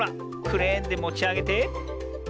クレーンでもちあげて。